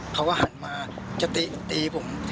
เขาก็หันมาจะตีผม